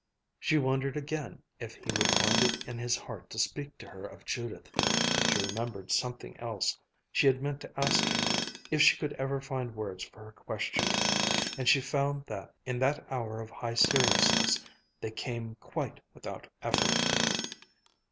She wondered again if he would find it in his heart to speak to her of Judith. She remembered something else she had meant to ask him, if she could ever find words for her question; and she found that, in that hour of high seriousness, they came quite without effort.